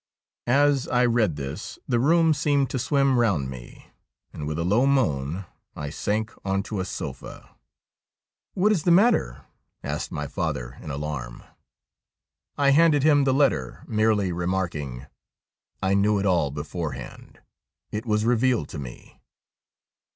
As I read this the room seemed to swim round me, and with a low moan I sank on to a sofa. THE SPECTRE OF BARROCHAN 53 ' What is the matter ?' asked my father in alarm. I handed him the letter, merely remarking :' I knew it all beforehand. It was revealed to me.'